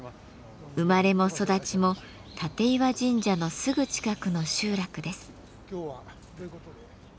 生まれも育ちも立石神社のすぐ近くの集落です。